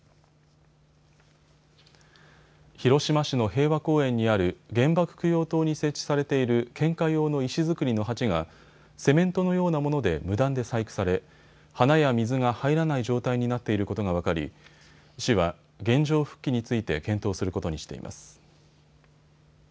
広島市の平和公園にある原爆供養塔に設置されている献花用の石づくりの鉢がセメントのようなもので無断で細工され花や水が入らない状態になっていることが分かり、市は原状復帰について検討することにしています。